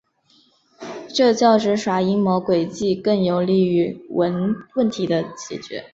这较之耍阴谋诡计更有利于问题的解决。